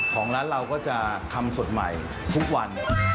ของร้านเราก็จะทำสดใหม่ทุกวัน